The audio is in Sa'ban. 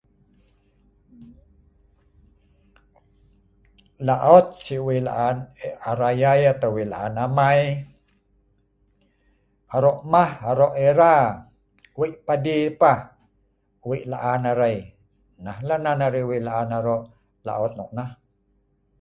Laot si wei' laan e arai ai atau wei' laan amai aro' mah', aro' era, wei' padi ai pah wei' laan arai nah lah nan arai wei' laan aro' laot nok nah.